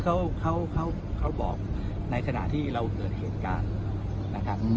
เขาบอกในขณะที่ระจดเหตุการณ์